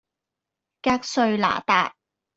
格瑞那達